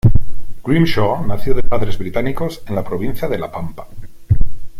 Grimshaw nació de padres británicos en la provincia de La Pampa.